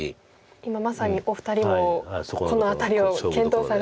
今まさにお二人もこの辺りを検討されてますよね。